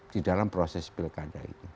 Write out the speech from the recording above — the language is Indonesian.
di dalam proses pilkada itu